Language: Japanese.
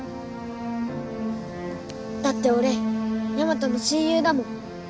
だって俺ヤマトの親友だもん